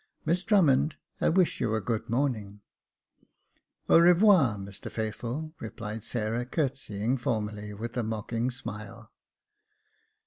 Miss Drummond, I wish you a good morning." ^^ Au revoir, Mr Faithful," replied Sarah, courtesying formally, with a mocking smile.